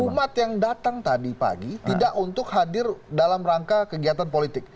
umat yang datang tadi pagi tidak untuk hadir dalam rangka kegiatan politik